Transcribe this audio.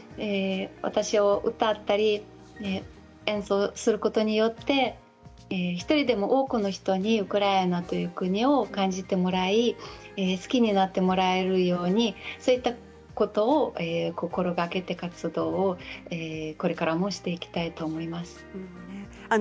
私は歌ったり演奏することによって１人でも多くの人にウクライナという国を感じてもらい好きになってもらえるようにそういったことを心がけて活動をこれからもしていきたいと思います。